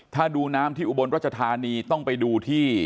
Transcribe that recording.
ถ้าดูน้ำที่อุบลรัชธานีต้องไปดูที่